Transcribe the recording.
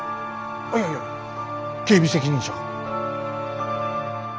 いやいや警備責任者が？